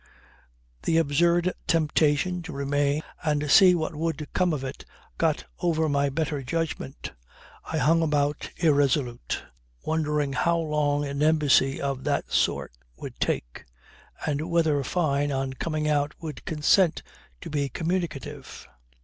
The absurd temptation to remain and see what would come of it got over my better judgment. I hung about irresolute, wondering how long an embassy of that sort would take, and whether Fyne on coming out would consent to be communicative.